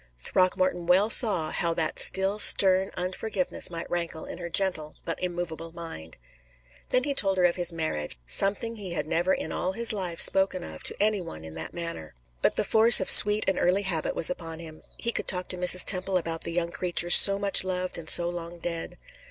Throckmorton well saw how that still stern unforgiveness might rankle in her gentle but immovable mind. Then he told her of his marriage something he had never in all his life spoken of to any one in that manner; but the force of sweet and early habit was upon him he could talk to Mrs. Temple about the young creature so much loved and so long dead.